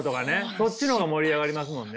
そっちの方が盛り上がりますもんね。